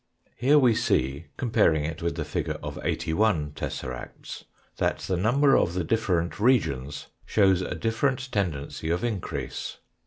Here we see, com paring it with the figure of 81 tesseracts, that the number of the different regions show a different tendency of increase.